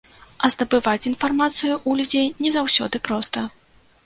А здабываць інфармацыю ў людзей не заўсёды проста.